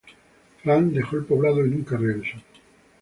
Frank dejó el poblado y nunca regresó.